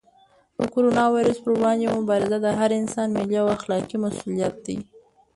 د کرونا وېروس پر وړاندې مبارزه د هر انسان ملي او اخلاقي مسؤلیت دی.